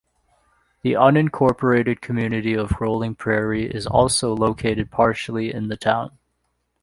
The unincorporated community of Rolling Prairie is also located partially in the town.